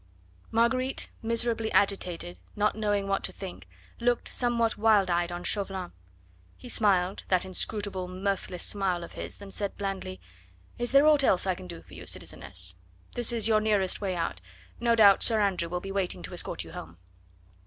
Marguerite, miserably agitated, not knowing what to think, looked somewhat wild eyed on Chauvelin; he smiled, that inscrutable, mirthless smile of his, and said blandly: "Is there aught else that I can do for you, citizeness? This is your nearest way out. No doubt Sir Andrew will be waiting to escort you home."